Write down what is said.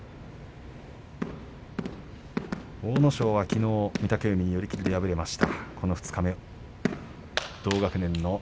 阿武咲はきのう御嶽海に寄り切りで敗れました。